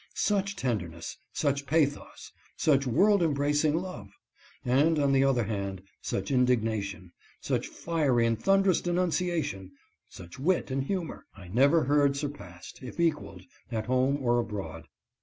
Such tenderness, such pathos, such world embracing love !— and, on the other hand, such in dignation, such fiery and thunderous denunciation, such wit and humor, I never heard surpassed, if equaled, at home or abroad.